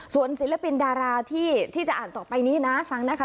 ส่วนศิลปินดาราที่จะอ่านต่อไปนี้นะฟังนะคะ